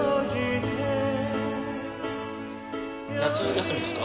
夏休みですか？